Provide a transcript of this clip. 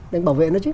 để bảo vệ nó chứ